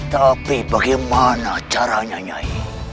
tapi bagaimana caranya nyai